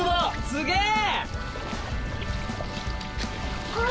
すげえ！